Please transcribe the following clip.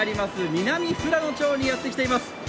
南富良野町にやってきています。